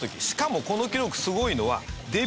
しかもこの記録すごいのははい。